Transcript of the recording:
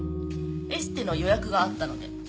エステの予約があったので。